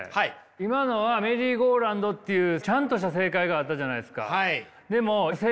今のはメリーゴーランドっていうちゃんとした正解があったじゃないですか。